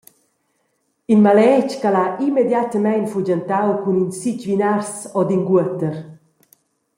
In maletg ch’el ha immediatamein fugentau cun in sitg vinars ord in guoter.